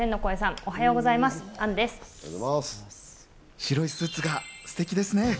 白いスーツがすてきですね。